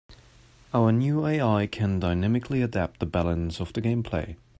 Our new AI can dynamically adapt the balance of the gameplay.